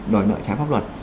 đòi nợ trái pháp luật